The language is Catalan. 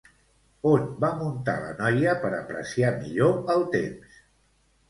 On va muntar la noia per apreciar millor el temps?